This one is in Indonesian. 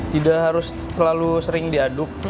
tidak harus selalu sering diaduk